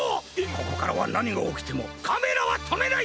ここからはなにがおきてもカメラはとめない！